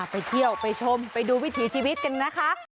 ไปเที่ยวไปชมไปดูวิถีชีวิตกันนะคะ